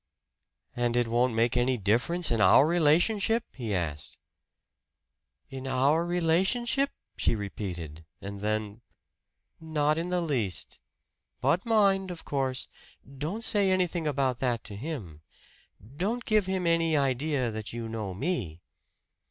"And it won't make any difference in our relationship?" he asked. "In our relationship?" she repeated; and then, "Not in the least. But mind, of course, don't say anything about that to him. Don't give him any idea that you know me!"